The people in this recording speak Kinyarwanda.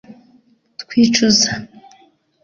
twicuza